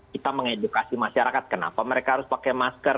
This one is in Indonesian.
kita mengedukasi masyarakat kenapa mereka harus pakai masker